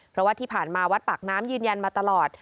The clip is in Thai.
เพราะว่าที่ผ่านมาวัดปากน้ำยืนยันมาตลอด